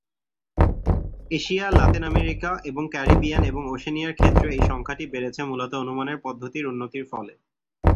Asia, Latin America এবং Caribbean এবং ওশেনিয়ার ক্ষেত্রে এই সংখ্যাটি বেড়েছে মূলত অনুমানের পদ্ধতির উন্নতির ফলে।